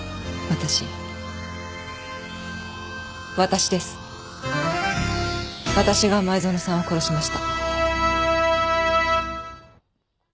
私が前園さんを殺しました。